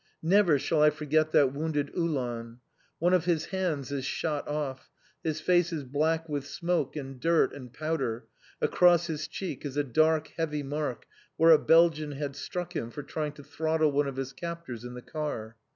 Never shall I forget that wounded Uhlan! One of his hands is shot off, his face is black with smoke and dirt and powder, across his cheek is a dark, heavy mark where a Belgian had struck him for trying to throttle one of his captors in the car.